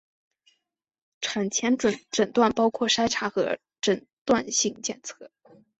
产前诊断包括筛查和诊断性检测。